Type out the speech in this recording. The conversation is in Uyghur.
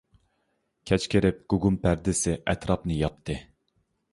كەچ كىرىپ گۇگۇم پەردىسى ئەتراپنى ياپتى.